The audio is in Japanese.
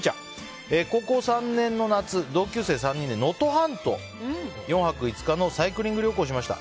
高校３年の夏同級生３人で能登半島４泊５日のサイクリング旅行をしました。